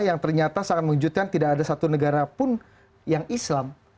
yang ternyata sangat mengejutkan tidak ada satu negara pun yang islam